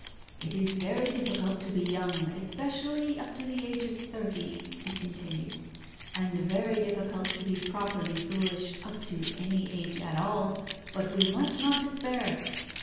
"It is very difficult to be young, especially up to the age of thirty," he continued, "and very difficult to be properly foolish up to any age at all; but we must not despair.